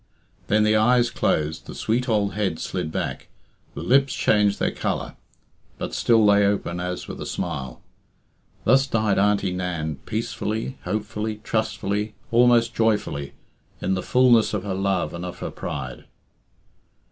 Then the eyes closed, the sweet old head slid back, the lips changed their colour, but still lay open as with a smile. Thus died Auntie Nan, peacefully, hopefully, trustfully, almost joyfully, in the fulness of her love and of her pride.